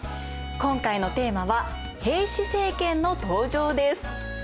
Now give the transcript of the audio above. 今回のテーマは「平氏政権の登場」です。